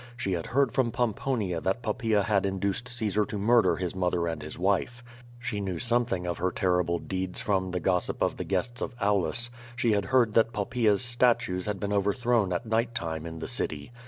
She had heard from Pomponia that Poppaea had induced Caesar to murder his mother and his wife. She knew something of her terrible deeds from the gossip of the guests of Aulus. She had heard that Poppaea's statues had been overthrown at night time in the city.